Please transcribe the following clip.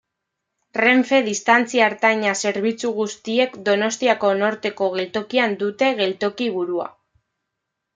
Renfe Distantzia Ertaina zerbitzu guztiek Donostiako Norteko geltokian dute geltoki-burua.